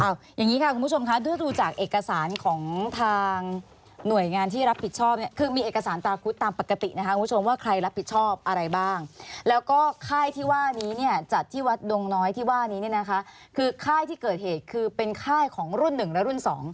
เอาอย่างนี้ค่ะคุณผู้ชมคะถ้าดูจากเอกสารของทางหน่วยงานที่รับผิดชอบเนี่ยคือมีเอกสารตาคุดตามปกตินะคะคุณผู้ชมว่าใครรับผิดชอบอะไรบ้างแล้วก็ค่ายที่ว่านี้เนี่ยจัดที่วัดดงน้อยที่ว่านี้เนี่ยนะคะคือค่ายที่เกิดเหตุคือเป็นค่ายของรุ่น๑และรุ่น๒